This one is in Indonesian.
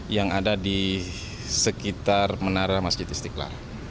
yang ada di sekitar menara masjid istiqlal